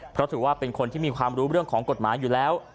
เพราะถือว่าเป็นคนที่มีความรู้เรื่องของกฎหมายอยู่แล้ว